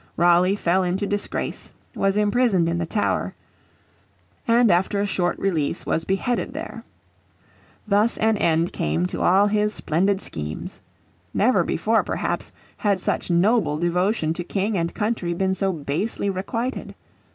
Raleigh fell into disgrace, was imprisoned in the Tower, and after a short release was beheaded there. Thus an end came to all his splendid schemes. Never before perhaps had such noble devotion to King and country been so basely requited.